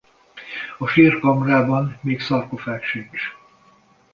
A sírkamrában még szarkofág sincs.